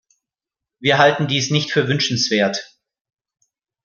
Wir halten dies nicht für wünschenswert.